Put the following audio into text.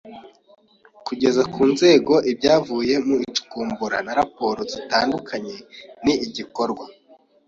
Kugeza ku nzego ibyavuye mu icukumbura na raporo zitandukanye ni igikorwa